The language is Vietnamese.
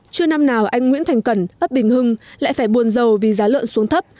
chưa năm nào anh nguyễn thành cẩn ấp bình hưng lại phải buồn giàu vì giá lợn xuống thấp